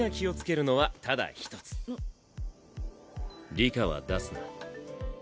里香は出すな。